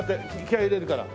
気合入れるから。